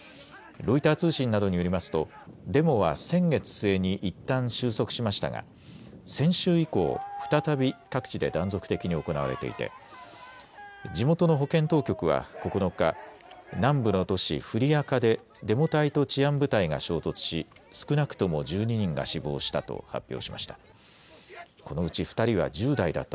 ロイター通信などによりますとデモは先月末にいったん収束しましたが先週以降、再び各地で断続的に行われていて地元の保健当局は９日、南部の都市フリアカでデモ隊と治安部隊が衝突し少なくとも１２人が死亡したと発表しました。